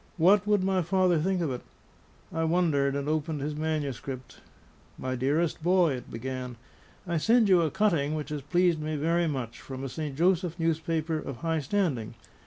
What would my father think of it? I wondered, and opened his manuscript. "My dearest boy," it began, "I send you a cutting which has pleased me very much, from a St. Joseph paper of high standing.